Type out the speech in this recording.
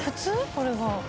これが。